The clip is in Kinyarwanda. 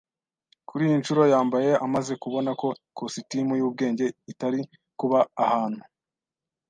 Kuri iyi nshuro yambaye, amaze kubona ko ikositimu yubwenge itari kuba ahantu